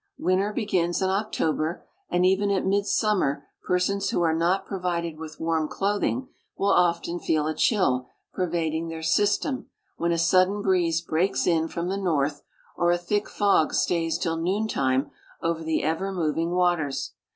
Winter begins in October, and even at midsummer persons who are not provided with warm clothing will often feel a chill pervading their system when a sudden breeze breaks in from the north or a thick fog stays till noontime over the ever moving waters.